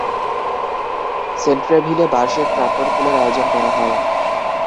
সেন্ট্রেভিলে বার্ষিক ট্রাক্টর পুলের আয়োজন করা হয়।